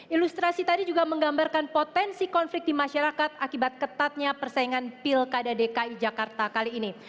ilustrasi tadi juga menggambarkan potensi konflik di masyarakat akibat ketatnya persaingan pilkada dki jakarta kali ini